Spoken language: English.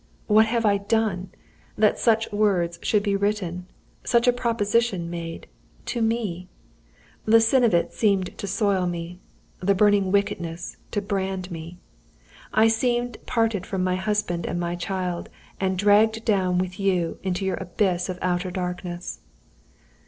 What have I done that such words should be written such a proposition made to me?' The sin of it seemed to soil me; the burning wickedness, to brand me. I seemed parted from my husband and my child, and dragged down with you into your abyss of outer darkness.